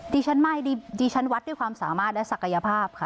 ดิฉันไม่ดิฉันวัดด้วยความสามารถและศักยภาพค่ะ